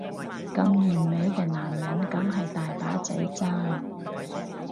咁完美嘅男人梗係大把仔爭